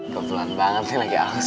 kebulan banget nih lagi haus